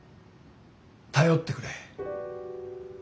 頼ってくれ。